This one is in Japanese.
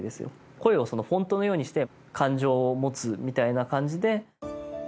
声をそのフォントのようにして感情を持つみたいな感じで。